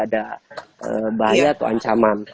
ada bahaya atau ancaman